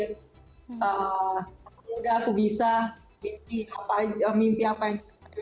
aku muda aku bisa mimpi apa aja mimpi apa aja